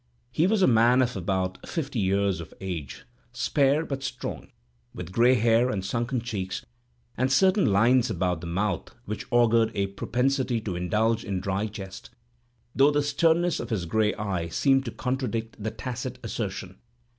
He was a man of about fifty years of age, spare, but strong, with gray hair, and sunken cheeks, and certain lines about the mouth which augured a propensity to indulge in dry jest, though the sternness of his gray eye seemed to contradict the tacit assertion.